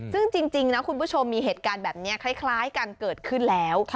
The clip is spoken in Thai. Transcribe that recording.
ซึ่งจริงนะคุณผู้ชมมีเหตุการณ์แบบนี้คล้ายกันเกิดขึ้นแล้ว